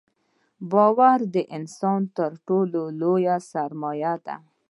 • باور د انسان تر ټولو لوی سرمایه ده.